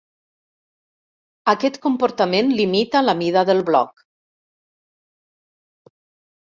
Aquest comportament limita la mida del bloc.